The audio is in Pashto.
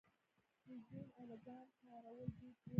د زین او لګام کارول دود و